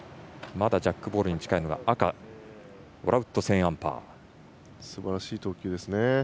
まだジャックボールに近いのは赤すばらしい投球ですね。